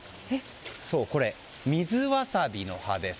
そう、水わさびの葉です。